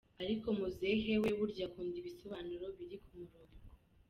Ariko Muzee we, burya akunda ibisobanuro biri ku murongo.